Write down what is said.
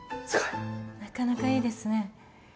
なかなかいいですね。